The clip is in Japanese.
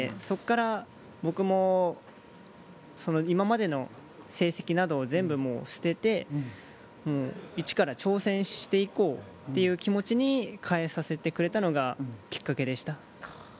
そこから僕も今までの成績などを全部捨てて一から挑戦していこうという気持ちに変えさせてくれたのがきっかけでした。